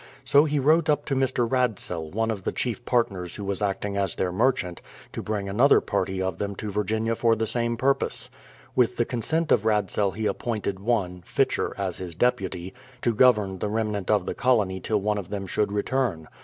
So he wrote up to I\Ir. Rasdell, one of the chief partners who was acting as their merchant, to bring another party of them to Virginia for the same purpose. With the consent of Rasdell he appointed one, Pitcher, as his deputy, to govern the remnant of the colony till one of them should return.